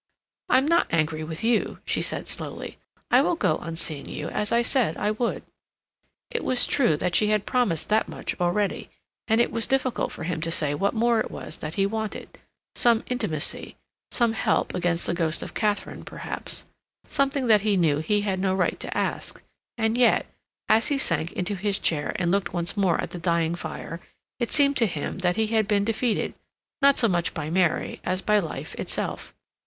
"I'm not angry with you," she said slowly. "I will go on seeing you, as I said I would." It was true that she had promised that much already, and it was difficult for him to say what more it was that he wanted—some intimacy, some help against the ghost of Katharine, perhaps, something that he knew he had no right to ask; and yet, as he sank into his chair and looked once more at the dying fire it seemed to him that he had been defeated, not so much by Mary as by life itself.